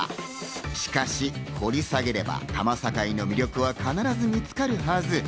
しかし掘り下げれば多摩境の魅力は必ず見つかるはず。